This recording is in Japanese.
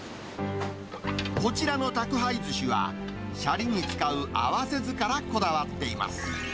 こちらの宅配ずしは、しゃりに使う合わせ酢からこだわっています。